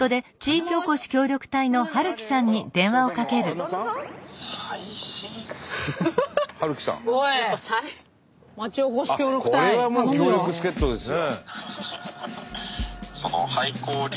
あっこれはもう強力助っとですよ。